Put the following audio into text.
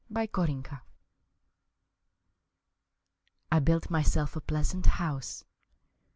Intrusion I BUILT myself a pleasant house.